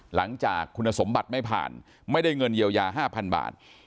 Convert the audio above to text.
หลังจากคุณสมบัติไม่ผ่านไม่ได้เงินเยียวยา๕๐๐๐บาท